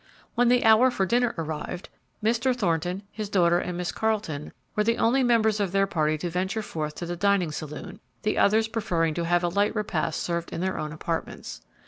When the hour for dinner arrived, Mr. Thornton, his daughter, and Miss Carleton were the only members of their party to venture forth to the dining saloon, the others preferring to have a light repast served in their own apartments.